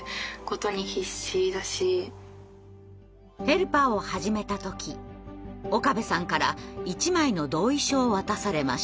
ヘルパーを始めた時岡部さんから１枚の同意書を渡されました。